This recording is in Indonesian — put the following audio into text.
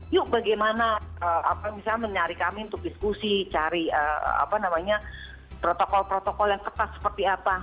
yuk bagaimana misalnya mencari kami untuk diskusi cari protokol protokol yang ketat seperti apa